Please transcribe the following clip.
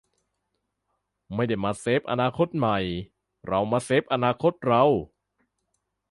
'ไม่ได้มาเซฟอนาคตใหม่ เรามาเซฟอนาคตเรา'